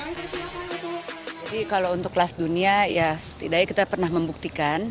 jadi kalau untuk kelas dunia ya setidaknya kita pernah membuktikan